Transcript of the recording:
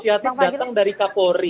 inisiatif datang dari kkori